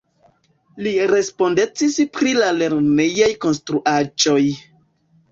Li respondecis pri la lernejaj konstruaĵoj.